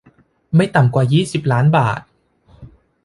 ไม่ต่ำกว่ายี่สิบล้านบาท